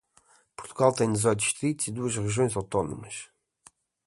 Portugal tem dezoito distritos e duas regiões autónomas.